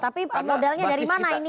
tapi modalnya dari mana ini